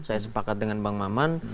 saya sepakat dengan bang maman